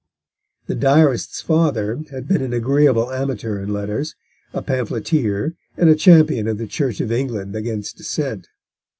The Diarist's father had been an agreeable amateur in letters, a pamphleteer, and a champion of the Church of England against Dissent.